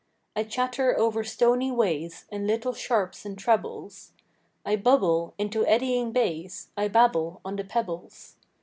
I chatter over stony ways, In little sharps and trebles, I bubble into eddying bays, I babble on the pebbles.